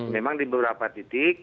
memang di beberapa titik